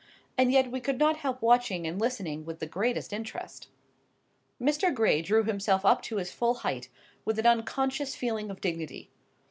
And yet we could not help watching and listening with the greatest interest. Mr. Gray drew himself up to his full height, with an unconscious feeling of dignity.